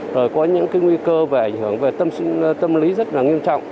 rồi có những cái nguy cơ về ảnh hưởng về tâm lý rất là nghiêm trọng